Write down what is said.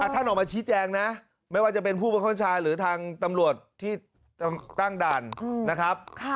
ท่านออกมาชี้แจงนะไม่ว่าจะเป็นผู้บังคับบัญชาหรือทางตำรวจที่ตั้งด่านนะครับ